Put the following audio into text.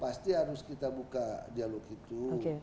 pasti harus kita buka dialog itu